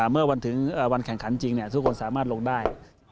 เมื่อวันแข่งขันจริงทุกคนสามารถลงได้